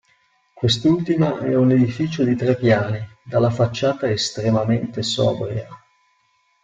Quest'ultima è un edificio di tre piani dalla facciata estremamente sobria.